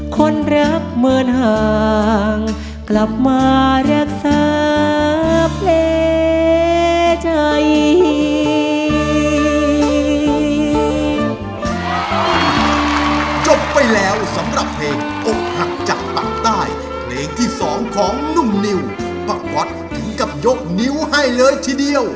คนรักเหมือนห่างกลับมารักษาเพลงใจ